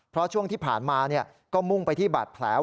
เพราะช่วงที่ผ่านมาก็มุ่งไปที่บาดแผล